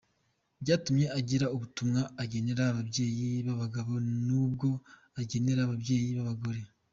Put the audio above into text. Byatumye agira ubutumwa agenera abayeyi b’ abagabo n’ ubwo agenera ababyeyi b’ abagore.